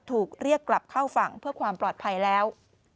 ถูกเรียกกลับเข้าฝั่งเพื่อความปลอดภัยแล้ว